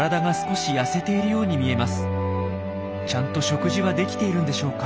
ちゃんと食事はできているんでしょうか？